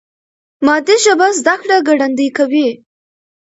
مادي ژبه زده کړه ګړندۍ کوي.